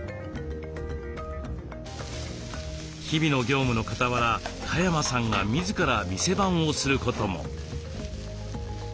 日々の業務のかたわら嘉山さんが自ら店番をすることも。